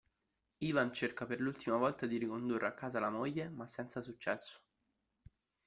Ivan cerca per l'ultima volta di ricondurre a casa la moglie ma senza successo.